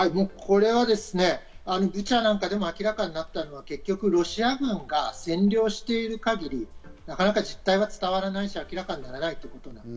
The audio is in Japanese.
ブチャなんかでも明らかになったのが結局、ロシア軍が占領している限り、なかなか実態が伝わらないし、明らかにならないということ。